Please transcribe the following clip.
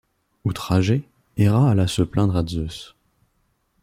Outragée, Héra alla se plaindre à Zeus.